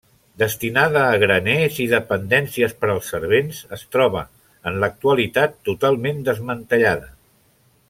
Destinada a graners i dependències per als servents, es troba en l'actualitat totalment desmantellada.